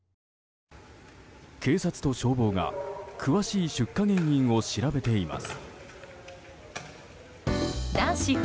警察と消防が詳しい出火原因を調べています。